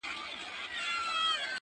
• له هر لوري یې کوله صحبتونه ,